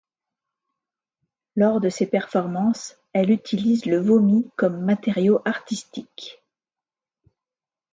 Lors de ses performances, elle utilise le vomi comme matériau artistique.